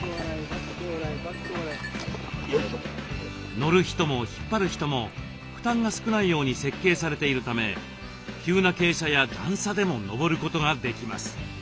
乗る人も引っ張る人も負担が少ないように設計されているため急な傾斜や段差でも登ることができます。